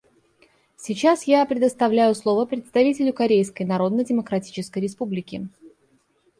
Сейчас я предоставляю слово представителю Корейской Народно-Демократической Республики.